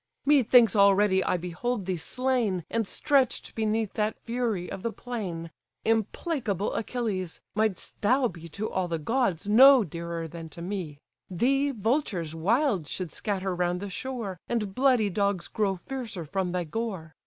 Methinks already I behold thee slain, And stretch'd beneath that fury of the plain. Implacable Achilles! might'st thou be To all the gods no dearer than to me! Thee, vultures wild should scatter round the shore, And bloody dogs grow fiercer from thy gore.